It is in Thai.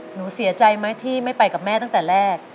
หนูเสียใจไหมที่ไม่ไปกับแม่ตั้งแต่แรก